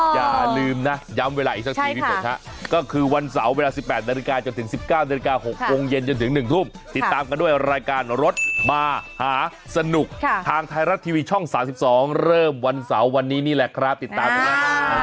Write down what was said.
อย่าลืมนะย้ำเวลาอีกสักทีพี่ฝนฮะก็คือวันเสาร์เวลา๑๘นาฬิกาจนถึง๑๙นาฬิกา๖โมงเย็นจนถึง๑ทุ่มติดตามกันด้วยรายการรถมหาสนุกทางไทยรัฐทีวีช่อง๓๒เริ่มวันเสาร์วันนี้นี่แหละครับติดตามกันนะ